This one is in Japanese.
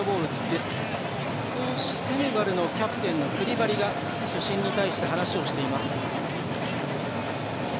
少しセネガルのキャプテンのクリバリが主審に対して、話をしています。